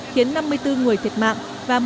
khiến năm mươi bốn người thiệt mạng